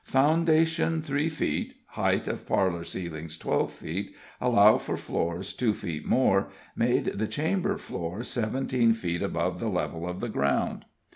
Foundation three feet, height of parlor ceilings twelve feet, allow for floors two feet more, made the chamber floor seventeen feet above the level of the ground.